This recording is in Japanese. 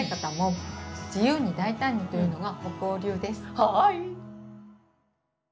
はい！